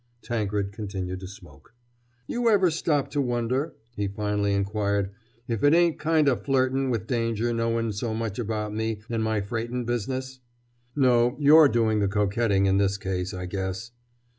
Tankred continued to smoke. "You ever stop to wonder," he finally inquired, "if it ain't kind o' flirtin' with danger knowin' so much about me and my freightin' business?" "No, you're doing the coquetting in this case, I guess!"